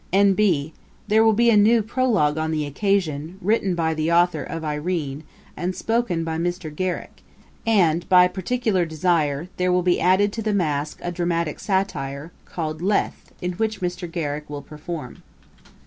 'N.B. There will be a new prologue on the occasion, written by the author of _Irene, and spoken by Mr. Garrick; and, by particular desire, there will be added to the Masque a dramatick satire, called Lethe, in which Mr. Garrick will perform.'